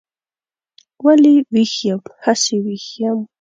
ولې ویښ یم؟ هسې ویښ یم.